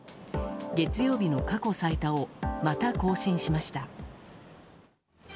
月曜日の過去最多をまた更新しました。